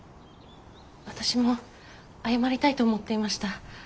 私も謝りたいと思っていました。